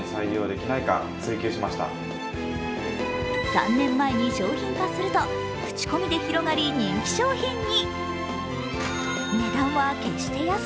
３年前に商品化すると口コミで広がり人気商品に。